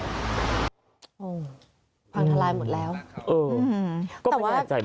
มีทางไพลมาวไหม